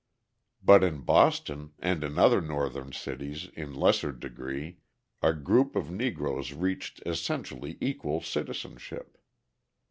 But in Boston, and in other Northern cities in lesser degree, a group of Negroes reached essentially equal citizenship.